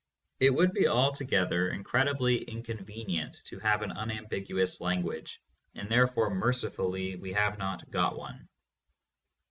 It would be altogether in credibly inconvenient to have an unambiguous language, and therefore mercifully we have not got one.